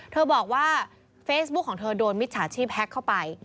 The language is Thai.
เธอบอกว่าเฟซบุ๊คของเธอโดนมิจฉาชีพแฮ็กเข้าไป